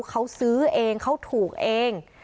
เขาซื้อเองเขาถูกเอง